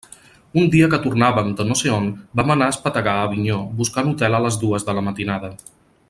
Un dia que tornàvem de no sé on, vam anar a espetegar a Avinyó buscant hotel a les dues de la matinada.